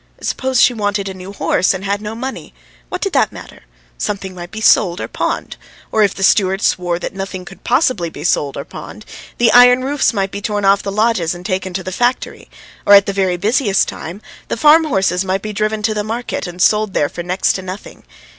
Suppose she wanted a new horse and had no money what did that matter? Something might be sold or pawned, or if the steward swore that nothing could possibly be sold or pawned, the iron roofs might be torn off the lodges and taken to the factory, or at the very busiest time the farm horses might be driven to the market and sold there for next to nothing.